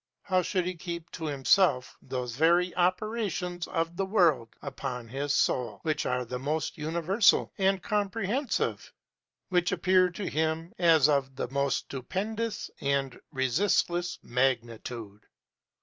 How should he keep to himself those very operations of the world upon his soul which are the most universal and comprehensive, which appear to him as of the most stupendous and resistless magnitude?